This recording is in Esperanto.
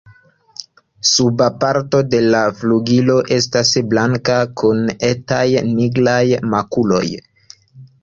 Suba parto de la flugilo estas blanka, kun etaj nigraj makuloj.